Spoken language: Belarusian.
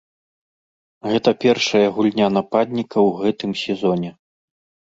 Гэта першая гульня нападніка ў гэтым сезоне.